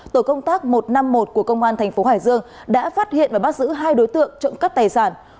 tổ công tác một trăm năm mươi một của công an tp hải dương đã phát hiện và bắt giữ hai đối tượng trộm cắt tài sản